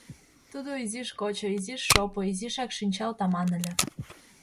Тудо изиш кочо, изиш шопо, изишак шинчал таман ыле.